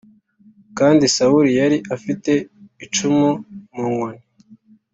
kandi Sawuli yari afite icumu mu ntoki.